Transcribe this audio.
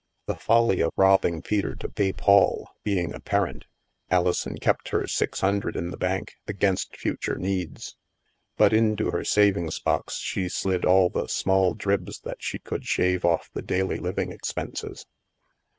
The folly of robbing Peter to pay Paul being ap parent, Alison kept her six hundred in the bank, against future needs. But into her savings box she slid all the small dribs that she could shave off the daily living expenses.